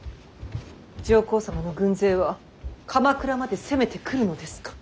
上皇様の軍勢は鎌倉まで攻めてくるのですか。